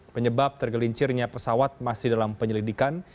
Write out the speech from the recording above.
penyebab tergelincirnya pesawat masih dalam penyelidikan